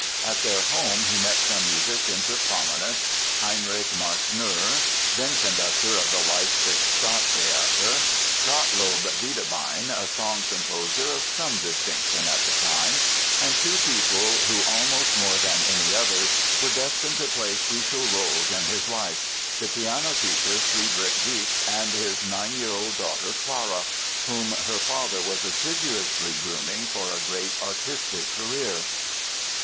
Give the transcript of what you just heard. At their home he met some musicians of prominence—Heinrich Marschner, then conductor of the Leipzig Stadttheater; Gottlob Wiedebein, a song composer of some distinction at the time; and two people who, almost more than any others, were destined to play crucial roles in his life—the piano teacher, Friedrich Wieck, and his nine year old daughter, Clara, whom her father was assiduously grooming for a great artistic career.